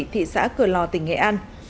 thị xã cửa lò tỉnh nghệ an